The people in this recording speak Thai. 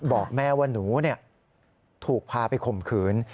บอกแม่ว่าหนูถูกพาไปข่มขืน